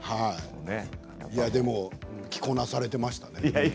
でも、着こなされています。